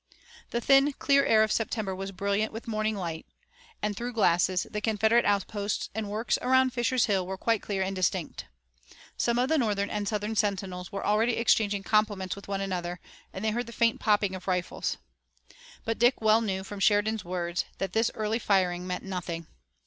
The thin, clear air of September was brilliant with morning light, and through glasses the Confederate outposts and works around Fisher's Hill were quite clear and distinct. Some of the Northern and Southern sentinels were already exchanging compliments with one another, and they heard the faint popping of rifles. But Dick well knew from Sheridan's words that this early firing meant nothing.